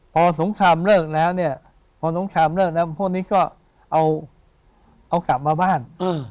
พอสงครามเลิกแล้วพวกนี้ก็เอากลับมาบ้าน